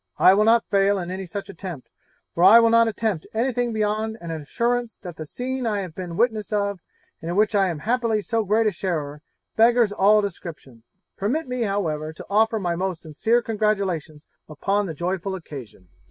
I will not fail in any such attempt, for I will not attempt anything beyond an assurance that the scene I have been witness of, and in which I am happily so great a sharer, beggars all description. Permit me however to offer my most sincere congratulations upon the joyful occasion.'